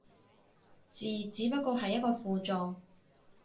字只不過係一個輔助